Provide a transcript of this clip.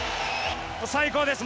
最高です！